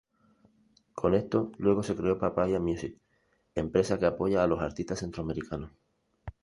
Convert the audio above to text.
Con esto luego se creó Papaya Music, empresa que apoya a los artistas centroamericanos.